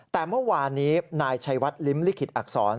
แต่เมื่อวานนี้นายชัยวัดลิ้มลิขิตอักษร